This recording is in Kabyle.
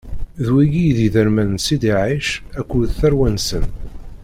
D wigi i d iderman n Sidi Ɛic akked tarwa-nsen.